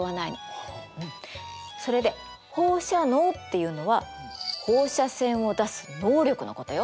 それで放射能っていうのは放射線を出す能力のことよ。